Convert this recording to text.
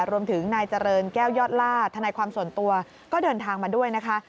รวมถึงนายเจริญแก้วยอดล่าธนายความส่วนตัวก็เดินทางมาด้วยนะคะ